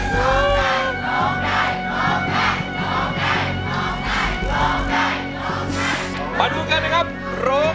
มาดูกันนะครับ